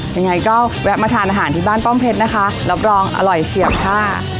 ยังไงก็แวะมาทานอาหารที่บ้านป้อมเพชรนะคะรับรองอร่อยเฉียบค่ะ